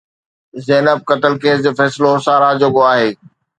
زينب قتل ڪيس جو فيصلو ساراهه جوڳو آهي.